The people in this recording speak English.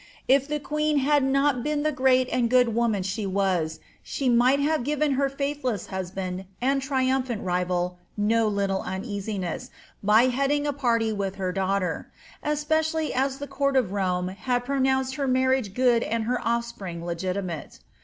If the queen had not been the great and good voman she was, she might have given her faithless husband and trium phant rival no little uneasiness, by heading a party with her daughter ; especially as the court of Rome had pronounce^] her marriage good and her ofl&pring legitimate.